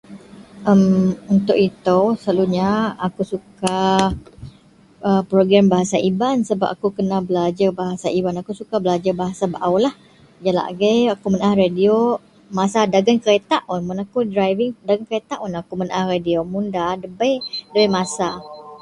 em untuk itou selalunya akou suka a program Bahasa iban sebab akou kena belajer Bahasa iban, akou suka belajer Bahasa baaulah, jalak agei akou menaah radiow masa dagen keretak un, mun akou driving dagen keretak un akou menaah radiow, mun da debei, debei masa